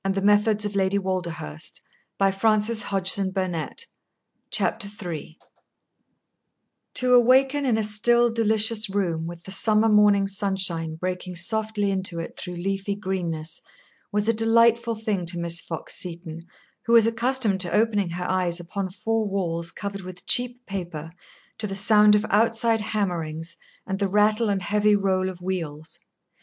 There, Emily; we must go to bed. We have talked enough." Chapter Three To awaken in a still, delicious room, with the summer morning sunshine breaking softly into it through leafy greenness, was a delightful thing to Miss Fox Seton, who was accustomed to opening her eyes upon four walls covered with cheap paper, to the sound of outside hammerings, and the rattle and heavy roll of wheels.